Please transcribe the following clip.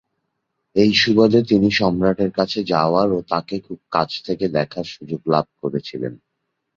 এই সুবাদে তিনি সম্রাটের কাছে যাওয়ার ও তাঁকে খুব কাছ থেকে দেখার সুযোগ লাভ করেছিলেন।